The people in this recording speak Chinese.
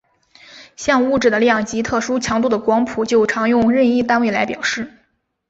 像物质的量及特殊强度的光谱就常用任意单位来表示。